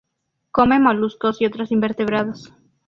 Come moluscos y otros invertebrados.